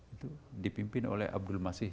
itu dipimpin oleh abdul masif